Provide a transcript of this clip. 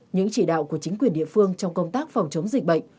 những chỉ đạo của chính quyền địa phương trong công tác phòng chống dịch bệnh